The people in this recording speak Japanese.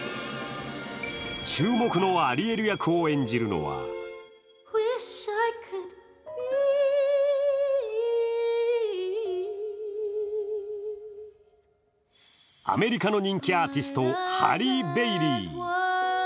注目のアリエル役を演じるのはアメリカの人気アーティスト、ハリー・ベイリー。